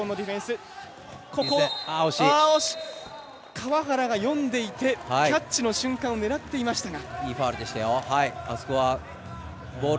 川原が読んでいてキャッチの瞬間を狙っていましたが。